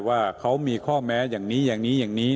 ว่าเขามีข้อแม้อย่างนี้อย่างนี้อย่างนี้